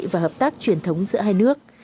và hợp tác truyền thống giữa hai nước